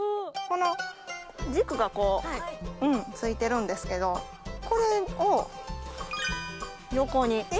この軸が付いてるんですけどこれを横に。